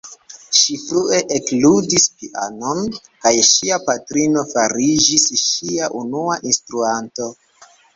Ŝi frue ekludis pianon kaj ŝia patrino fariĝis ŝia unua instruanto.